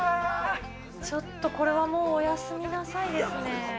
ちょっとこれは、もう、お休みなさいですね。